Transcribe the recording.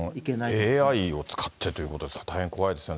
ＡＩを使ってということで、大変怖いですね。